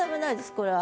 これは。